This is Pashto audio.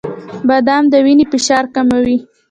• بادام د وینې فشار کموي.